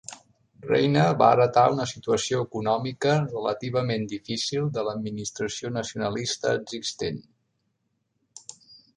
Reina va heretar una situació econòmica relativament difícil de l'administració nacionalista existent.